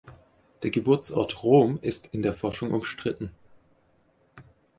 Der Geburtsort Rom ist in der Forschung umstritten.